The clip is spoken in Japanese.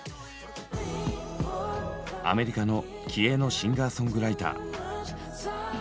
アメリカの気鋭のシンガーソングライター。